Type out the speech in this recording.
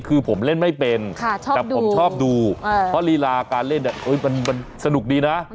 คือผมเล่นไม่เป็นแต่ผมชอบดูเพราะลีลาการเล่นมันสนุกดีนะ